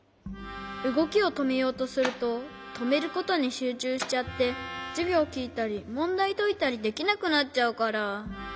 うごきをとめようとするととめることにしゅうちゅうしちゃってじゅぎょうきいたりもんだいといたりできなくなっちゃうから。